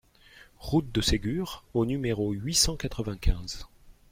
Route de Ségur au numéro huit cent quatre-vingt-quinze